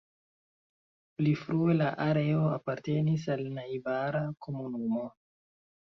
Pli frue la areo apartenis al najbara komunumo.